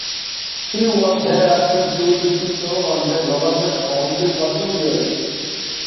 He was thereafter chosen to serve on the Governor's Council for two years.